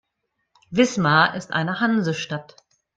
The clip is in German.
Wismar ist eine Hansestadt.